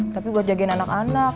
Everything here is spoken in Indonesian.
tapi buat jagain anak anak